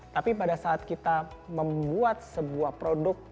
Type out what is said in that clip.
tapi pada saat kita membuat sebuah produk